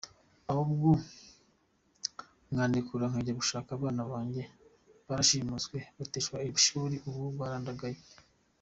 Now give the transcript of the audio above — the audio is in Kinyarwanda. Ahubwo mwandekura nkajya gushaka abana banjye, barashimuswe, bateshwa ishuri ubu barandagaye.